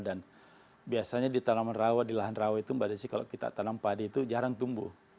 dan biasanya di tanaman rawa di lahan rawa itu mbak desi kalau kita tanam padi itu jarang tumbuh